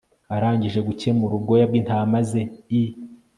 arangije gukemura ubwoya bw'intama ze i